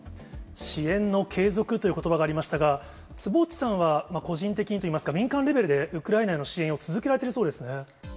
支援の継続ということばがありましたが、坪内さんは個人的にといいますか、民間レベルで、ウクライナへの支援を続けられているそうですね。